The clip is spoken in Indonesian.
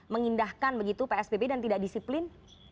mengindahkan begitu psbb dan tidak disiplin